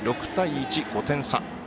６対１、５点差。